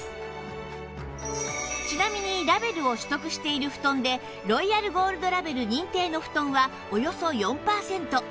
ちなみにラベルを取得している布団でロイヤルゴールドラベル認定の布団はおよそ４パーセント